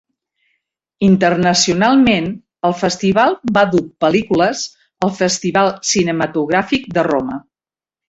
Internacionalment, el Festival va dur pel·lícules al Festival Cinematogràfic de Roma.